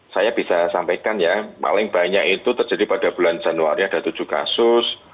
saya bisa sampaikan ya paling banyak itu terjadi pada bulan januari ada tujuh kasus